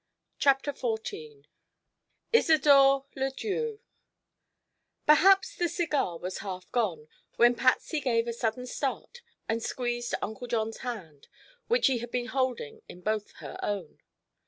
CHAPTER XIV ISIDORE LE DRIEUX Perhaps the cigar was half gone when Patsy gave a sudden start and squeezed Uncle John's hand, which she had been holding in both her own.